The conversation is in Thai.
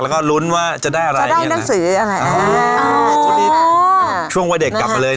แล้วก็ลุ้นว่าจะได้อะไรจะได้หนังสืออะไรอ๋อช่วงนี้ช่วงวัยเด็กกลับมาเลย